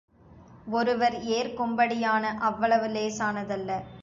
ஒருவர் ஏற்கும்படியான அவ்வளவு லேசானதல்ல.